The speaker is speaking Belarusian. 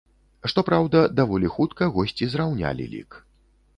Што праўда, даволі хутка госці зраўнялі лік.